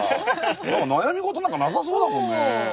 何か悩み事なんかなさそうだもんね。